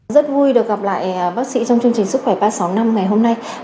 rất vui được gặp lại bác sĩ trong chương trình sức khỏe ba trăm sáu mươi năm ngày hôm nay